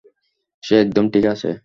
সে একদম ঠিক আছে।